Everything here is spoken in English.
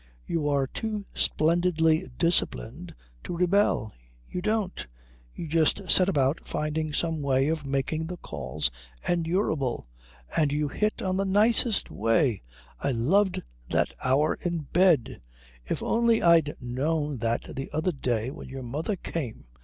You are too splendidly disciplined to rebel. You don't. You just set about finding some way of making the calls endurable, and you hit on the nicest way. I loved that hour in bed. If only I'd known that the other day when your mother came!